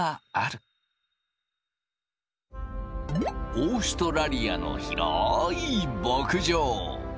オーストラリアのひろい牧場。